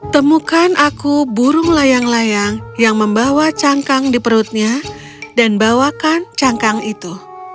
temukan aku burung layang layang yang membawa cangkang di perutnya dan bawakan cangkang itu